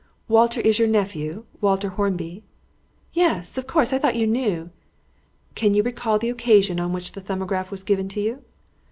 "Walter is your nephew, Walter Hornby?" "Yes, of course. I thought you knew." "Can you recall the occasion on which the 'Thumbograph' was given to you?"